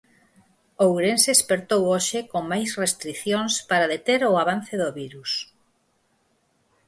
Ourense espertou hoxe con máis restricións para deter o avance do virus.